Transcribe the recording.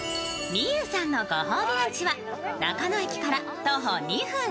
みゆうさんのご褒美ランチは中野駅から徒歩２分。